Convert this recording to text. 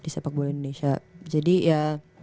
di sepak bola indonesia jadi ya